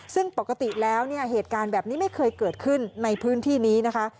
ซึ่งปกติแล้วเนี่ยเหตุการณ์แบบนี้ไม่เคยเกิดขึ้นในพื้นที่นี้นะคะ